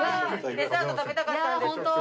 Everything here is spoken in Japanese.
デザート食べたかったんです。